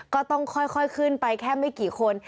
ก็ต้องค่อยขึ้นไปแค่ไม่กี่คน